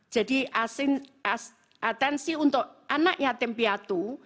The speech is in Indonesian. jadi atensi untuk anak yatim piatu